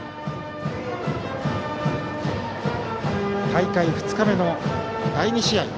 大会２日目の第２試合